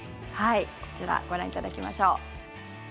こちらご覧いただきましょう。